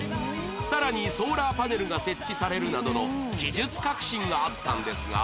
さらにソーラーパネルが設置されるなどの技術革新があったんですが